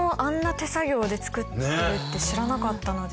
手作業で作ってるって知らなかったので。